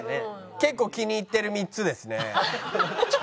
結構気に入ってる３つですね。